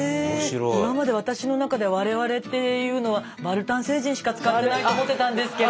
今までわたしの中で「われわれ」っていうのはバルタン星人しか使ってないと思ってたんですけど。